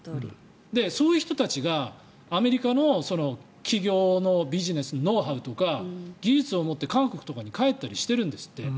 そういう人たちがアメリカの起業のビジネスノウハウとか技術を持って、韓国とかに帰ったりしてるんですって。